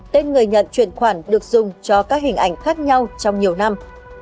tên người nhận chuyển khoản được dùng cho các hình ảnh khác nhau trong nhiều năm